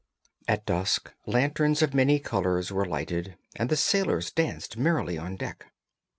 At dusk lanterns of many colours were lighted and the sailors danced merrily on deck.